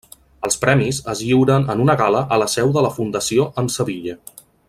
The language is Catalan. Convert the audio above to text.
Els premis es lliuren en una gala a la seu de la Fundació en Sevilla.